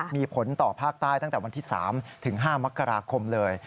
มีผลต่อภาคใต้ตั้งแต่วันที่๓ถึง๕มกราคมเลย